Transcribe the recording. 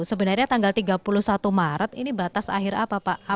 sebenarnya tanggal tiga puluh satu maret ini batas akhir apa pak